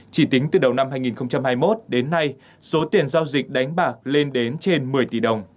chỉ tính từ đầu năm hai nghìn hai mươi một đến nay số tiền giao dịch đánh bạc lên đến trên một mươi tỷ đồng